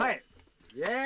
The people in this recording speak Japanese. イエーイ！